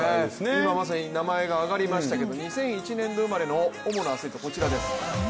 今まさに名前が挙がりましたけど２００１年度生まれの主な選手こちらです。